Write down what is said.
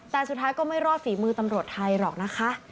แต่สุดท้ายก็ไม่รอดฝีมือตำรวจไทยหรอกนะคะ